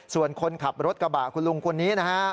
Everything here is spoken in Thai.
ส่วนคนขับรถกระบะคุณลุงคนนี้นะฮะ